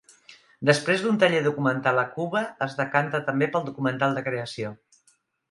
Després d'un taller documental a Cuba es decanta també pel documental de creació.